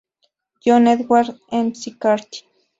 John Edward McCarthy.